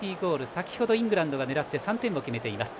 先程イングランドが狙って３点を決めています。